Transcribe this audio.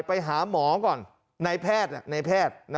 ไปหาหมอก่อนในแพทย์นะ